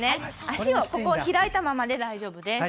足を開いたままで大丈夫です。